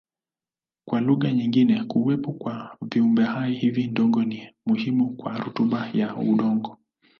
Kwa lugha nyingine kuwepo kwa viumbehai hivi vidogo ni muhimu kwa rutuba ya udongo.